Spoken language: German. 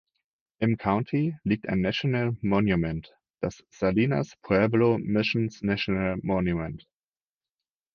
Im County liegt ein National Monument, das Salinas Pueblo Missions National Monument.